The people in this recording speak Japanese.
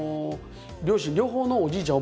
両親両方のおじいちゃん